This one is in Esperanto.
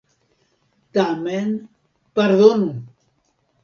Tamen, pardonu.